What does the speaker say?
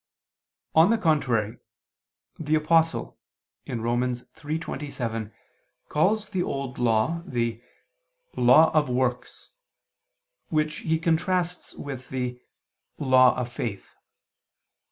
On the contrary, The Apostle (Rom. 3:27) calls the Old Law the "law of works" which he contrasts with the "law of faith."